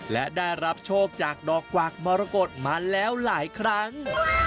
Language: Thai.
และได้รับโชคจากดอกกวากมรกฏมาแล้วหลายครั้ง